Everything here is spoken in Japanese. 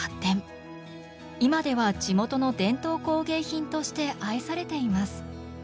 今では地元の伝統工芸品として愛されています。